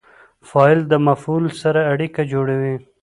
فاعل د مفعول سره اړیکه جوړوي.